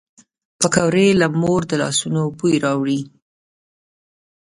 پکورې له مور د لاسو بوی راوړي